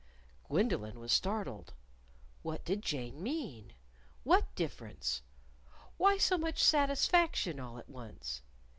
_" Gwendolyn was startled. What did Jane mean? What difference? Why so much satisfaction all at once?